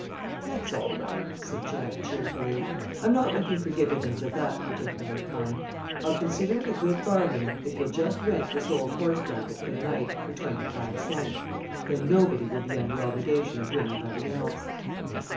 "That's all right," said Jack, cheerfully. "I'm not looking for dividends of that particular kind. I'll consider it a good bargain if you'll just rent this old horse blanket for the night for twenty five cents. Then nobody will be under obligation to anybody else."